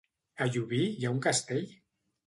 A Llubí hi ha un castell?